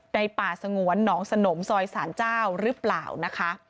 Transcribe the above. ป่าสงวนหนองสนมซอยสารเจ้าหรือเปล่านะคะ